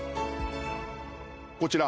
こちら